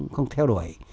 không theo đuổi